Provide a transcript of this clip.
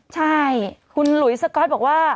ใช่คุณหลุยสก๊อตบอกว่า